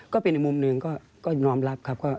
ก็เป็นเมื่อมรึงก็น้องรับครับ